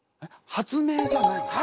発明じゃない。